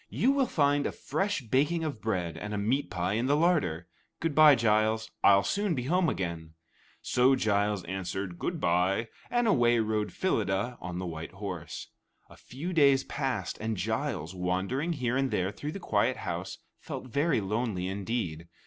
You will find a fresh baking of bread and a meat pie in the larder. Good bye, Giles; I'll soon be home again." So Giles answered, "Good bye," and away rode Phyllida on the white horse. A few days passed, and Giles, wandering here and there through the quiet house, felt very lonely indeed.